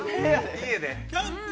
家で。